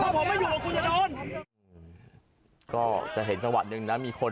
บ๊วยแคทธิ์